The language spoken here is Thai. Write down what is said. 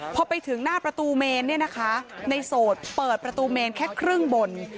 พอไปถึงหน้าประตูเมนเนี่ยนะคะในโสดเปิดประตูเมนแค่ครึ่งบน